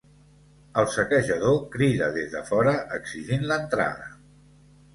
El saquejador crida des de fora, exigint l'entrada.